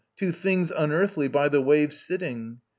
Two things unearthly by the wave Sitting!"